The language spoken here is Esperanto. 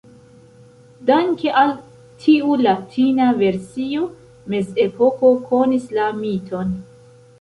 Danke al tiu Latina versio, Mezepoko konis la miton.